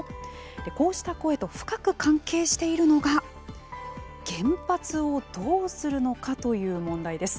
こうした声と深く関係しているのが原発をどうするのかという問題です。